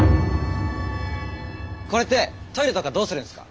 これってトイレとかどうするんすか？